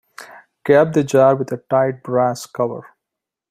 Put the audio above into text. Cap the jar with a tight brass cover.